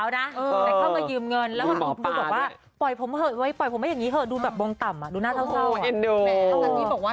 เนี่ยไม่มีสาวนะ